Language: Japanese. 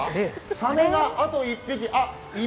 サメがあと１匹？